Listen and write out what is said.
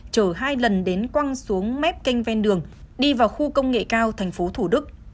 chở hai lần đến quăng xuống mép kênh ven đường đi vào khu công nghệ cao tp thủ đức